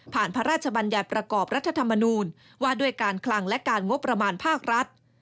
พระราชบัญญัติประกอบรัฐธรรมนูญว่าด้วยการคลังและการงบประมาณภาครัฐ